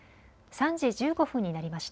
３時１５分になりました。